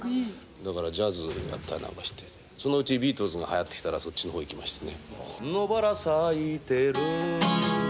だからジャズやったりなんかして、そのうちビートルズがはやってきたら、そっちもほう行きましてね。